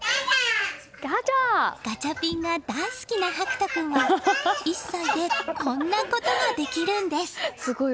ガチャピンが大好きな珀翔君は１歳でこんなことができるんです。